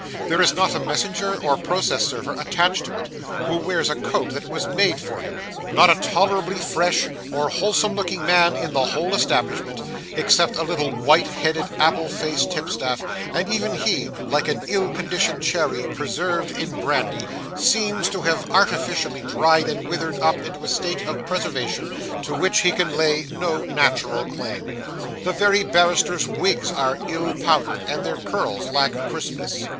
There is not a messenger or process server attached to it, who wears a coat that was made for him; not a tolerably fresh, or wholesome looking man in the whole establishment, except a little white headed apple faced tipstaff, and even he, like an ill conditioned cherry preserved in brandy, seems to have artificially dried and withered up into a state of preservation to which he can lay no natural claim. The very barristers' wigs are ill powdered, and their curls lack crispness.